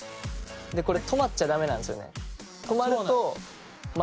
これ止まっちゃダメなんですよね。